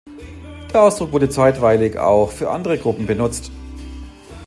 Der Ausdruck wurde zeitweilig auch für andere Gruppen benutzt.